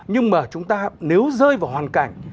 nhưng mà chúng ta nếu rơi vào hoàn cảnh